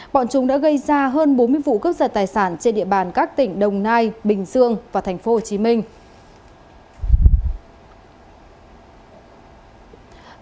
bọn chúng đã gây ra hơn bốn mươi vụ cướp giật tài sản trên địa bàn các tỉnh đồng nai bình dương và thành phố hồ chí minh